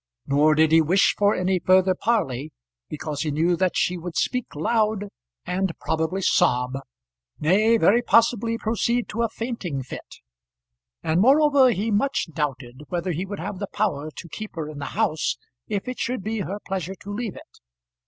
Nor did he wish for any further parley, because he knew that she would speak loud, and probably sob nay, very possibly proceed to a fainting fit. And, moreover, he much doubted whether he would have the power to keep her in the house if it should be her pleasure to leave it.